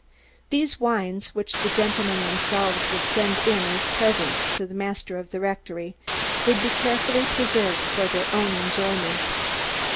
These wines, which the gentlemen themselves would send in as presents to the master of the rectory, would be carefully preserved for their own enjoyment.